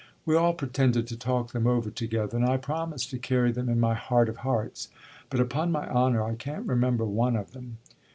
We all pretended to talk them over together, and I promised to carry them in my heart of hearts. But upon my honour I can't remember one of them.